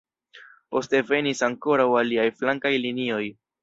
Poste venis ankoraŭ aliaj flankaj linioj.